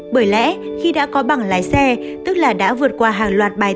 bởi lẽ khi đã có bằng lái xe tức là đã vượt qua hàng loạt bằng lái xe